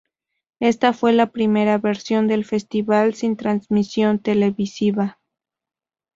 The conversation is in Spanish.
Esta fue la primera versión del festival sin transmisión televisiva.